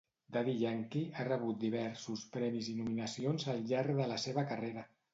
Daddy Yankee ha rebut diversos premis i nominacions al llarg de la seva carrera.